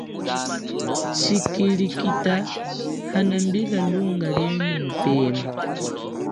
Tshikilikita hanambila lunga lienyi mupema.